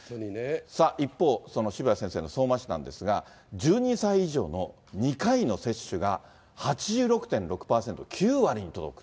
一方、渋谷先生の相馬市なんですが、１２歳以上の２回の接種が８６．６％、９割に届く。